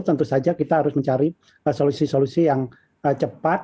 tentu saja kita harus mencari solusi solusi yang cepat